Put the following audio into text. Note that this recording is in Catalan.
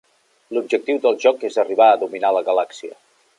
L'objectiu del joc és arribar a dominar la galàxia.